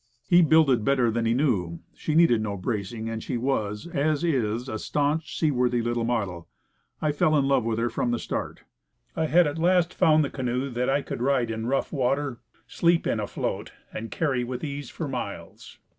"He builded better than he knew." She needed no bracing; and she was, and is, a staunch, sea worthy little model. I fell in love with her from the start. I had at last found the canoe that I could ride in rough water, sleep in afloat, and carry with ease for miles.